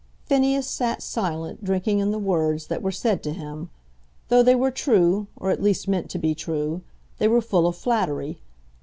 Phineas sat silent, drinking in the words that were said to him. Though they were true, or at least meant to be true, they were full of flattery.